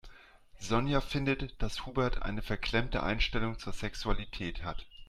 Sonja findet, dass Hubert eine verklemmte Einstellung zur Sexualität hat.